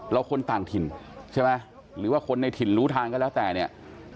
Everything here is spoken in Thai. คนต่างถิ่นใช่ไหมหรือว่าคนในถิ่นรู้ทางก็แล้วแต่เนี่ย